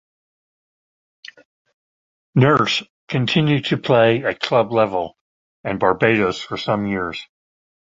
Nurse continued to play at club level and Barbados for some years.